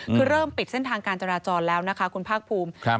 คือเริ่มปิดเส้นทางการจราจรแล้วนะคะคุณภาคภูมิ